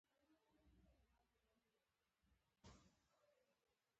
آیرلېنډي متل وایي خبرې کول ستونزې جوړوي.